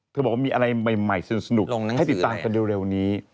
บอกว่ามีอะไรใหม่สนุกให้ติดตามกันเร็วนี้